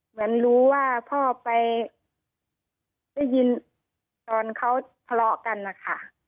เหมือนรู้ว่าพ่อไปได้ยินตอนเขาทะเลาะกันนะคะ